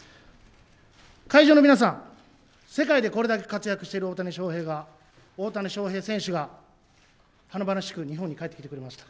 会場の皆さん、世界でこれだけ活躍している大谷翔平選手が、華々しく日本に帰ってきてくれました。